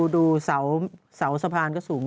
ดูเสาสะพานก็สูง